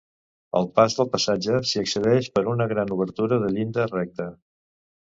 Al pas del passatge s'hi accedeix per una gran obertura de llinda recta.